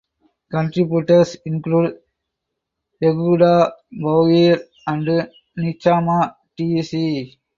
Contributors include Yehuda Bauer and Nechama Tec.